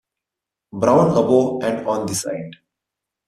Brown above and on the side.